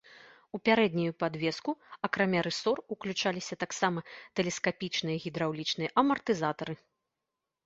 У пярэднюю падвеску акрамя рысор ўключаліся таксама тэлескапічныя гідраўлічныя амартызатары.